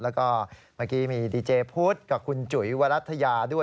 แล้วก็เมื่อกี้มีดีเจพุทธกับคุณจุ๋ยวรัฐยาด้วย